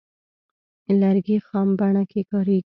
لرګی خام بڼه کې کاریږي.